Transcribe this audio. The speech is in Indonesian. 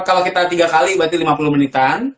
kalau kita tiga kali berarti lima puluh menitan